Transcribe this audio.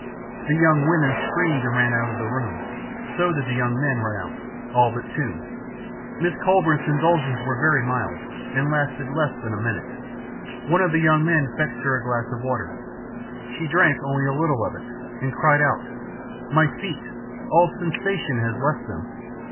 The young women screamed and ran out of the room. So did the young men run out, all but two. Miss Collbran's convulsions were very mild and lasted less than a minute. One of the young men fetched her a glass of water. She drank only a little of it, and cried out: "'My feet! All sensation has left them.'